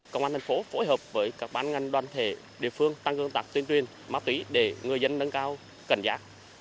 công an thành phố phối hợp với các bán ngăn đoàn thể địa phương tăng cương tạc tuyên tuyên ma túy để người dân nâng cao cẩn giác